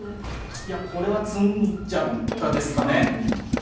いやこれは詰んじゃったですかね。